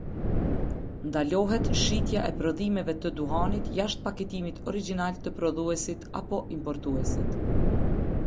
Ndalohet shitja e prodhimeve të duhanit jashtë paketimit origjinal të prodhuesit apo importuesit.